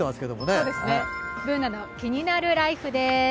「ＢｏｏｎａのキニナルＬＩＦＥ」です。